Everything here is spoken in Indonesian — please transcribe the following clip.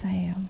saya tidak mau